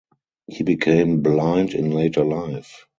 He became blind in later life.